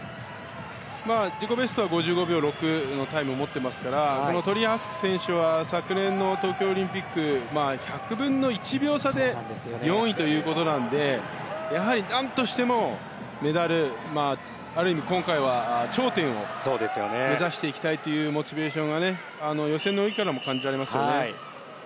自己ベストは５５秒６のタイムを持っていますからトーリー・ハスク選手は昨年の東京オリンピックで１００分の１秒差で４位ということなのでやはり何としてもメダルある意味、今回は頂点を目指していきたいというモチベーションが予選の泳ぎからも感じられますよね。